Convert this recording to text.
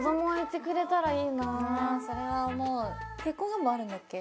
それは思う結婚願望あるんだっけ？